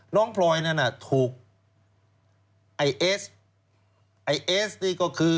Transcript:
พลอยนั้นน่ะถูกไอ้เอสไอเอสนี่ก็คือ